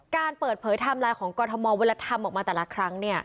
การเปิดเผยไทม์ไลน์ของกรทมเวลาทำออกมาแต่ละครั้ง